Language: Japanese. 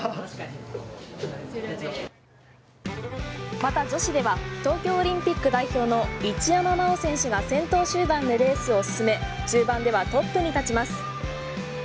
また女子では東京オリンピック代表の一山麻緒選手が先頭集団でレースを進め中盤ではトップに立ちます。